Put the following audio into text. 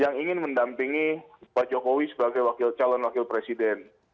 yang ingin mendampingi pak jokowi sebagai calon wakil presiden